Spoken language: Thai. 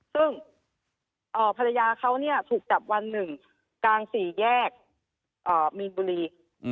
ซึ่งภรรยาเขาถูกจับวันหนึ่งกลางสี่แยกมีนบุรี